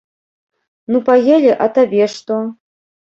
Ну паелі, а табе што?